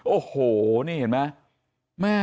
โอ้โหนี่เห็นไหม